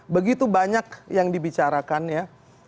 begitu banyak yang dibicarakan ya